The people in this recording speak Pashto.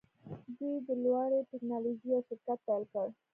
دوی د لوړې ټیکنالوژۍ یو شرکت پیل کړ